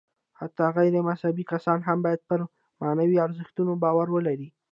حتی غیر مذهبي کسان هم باید پر معنوي ارزښتونو باور ولري.